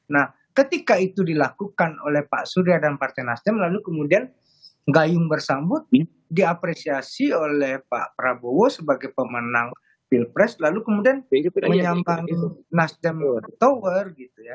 nah ketika itu dilakukan oleh pak surya dan partai nasdem lalu kemudian gayung bersambutnya diapresiasi oleh pak prabowo sebagai pemenang pilpres lalu kemudian pdip menyambangi nasdem lewat tower gitu ya